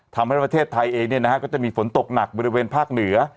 ทำให้ประเทศไทยเองก็จะมีฝนตกหนักบริเวณภาคเหนือ